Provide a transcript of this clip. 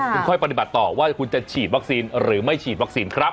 คุณค่อยปฏิบัติต่อว่าคุณจะฉีดวัคซีนหรือไม่ฉีดวัคซีนครับ